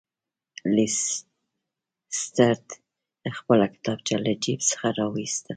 لیسټرډ خپله کتابچه له جیب څخه راویسته.